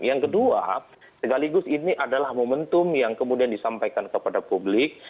yang kedua segaligus ini adalah momentum yang kemudian disampaikan kepada publik